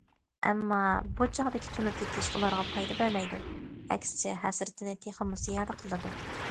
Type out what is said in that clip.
ئەمما، بۇ چاغدىكى تونۇپ يېتىش ئۇلارغا پايدا بەرمەيدۇ، ئەكسىچە ھەسرىتىنى تېخىمۇ زىيادە قىلىدۇ.